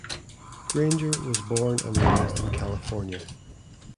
Grainger was born and raised in California.